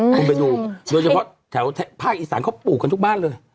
คุณไปดูโดยเฉพาะแถวภาคอีสานเขาปลูกกันทุกบ้านเลย